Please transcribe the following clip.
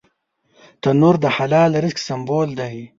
تنور د حلال رزق سمبول دی